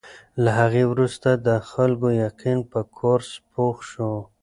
له هغې وروسته د خلکو یقین په کورس پوخ شو.